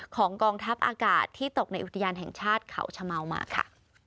กองทัพอากาศที่ตกในอุทยานแห่งชาติเขาชะเมามาค่ะ